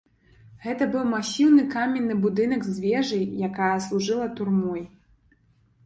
Гэта быў масіўны каменны будынак з вежай, якая служыла турмой.